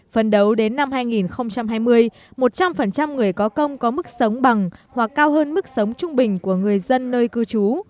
phần đầu đến năm hai nghìn hai mươi một trăm linh người có công có mức sống bằng hoặc cao hơn mức sống trung bình của người dân nơi cư trú